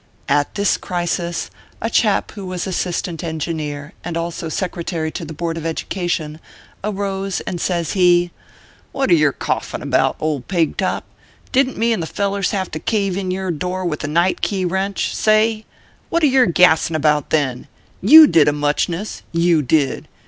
At this crisis, a chap who was assistant engineer, and also Secretary to the Board of Education, arose, and says he :" What are yer coughin about, old peg top ? Didn t me and the fellers have to cave in your door with a night key wrench sa a ay ? What are yer gassin about, then ? You did a muchness you did